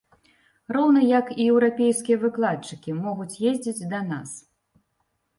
Роўна як і еўрапейскія выкладчыкі могуць ездзіць да нас.